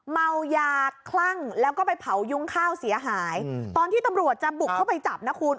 เมายาคลั่งแล้วก็ไปเผายุ้งข้าวเสียหายตอนที่ตำรวจจะบุกเข้าไปจับนะคุณ